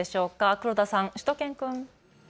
黒田さん、しゅと犬くん。